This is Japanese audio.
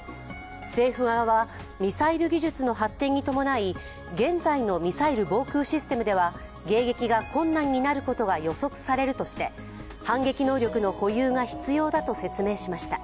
政府側は、ミサイル技術の発展に伴い、現在のミサイル防空システムでは迎撃が困難になることが予測されるとして、反撃能力の保有が必要だと説しました。